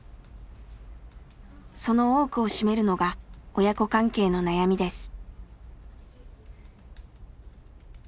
その多くを占めるのが親子関係の悩みです。